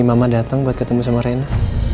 ini mama dateng buat ketemu sama reina